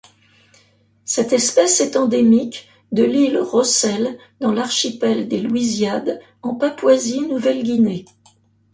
Cette espèce est endémique de l'île Rossel dans l'archipel des Louisiades en Papouasie-Nouvelle-Guinée.